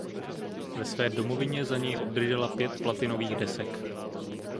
Ve své domovině za něj obdržela pět platinových desek.